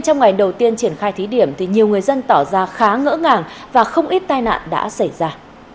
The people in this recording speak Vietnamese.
trong ngày đầu tiên triển khai thí điểm thì nhiều người dân tỏ ra khá ngỡ ngàng và không ít tai nạn đã xảy ra